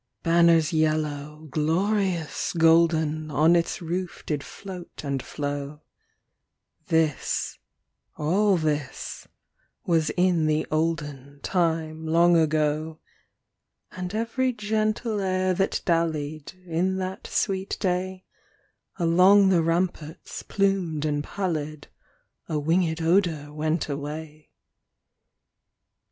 Banners yellow, glorious, golden, On its roof did float and flow, (This all this was in the olden Time long ago), And every gentle air that dallied, In that sweet day, Along the ramparts plumed and pallid, A winged odor went away.